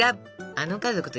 あの家族と。